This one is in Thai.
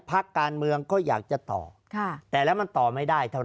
ภาคการเมืองก็อยากจะต่อค่ะแต่แล้วมันต่อไม่ได้เท่า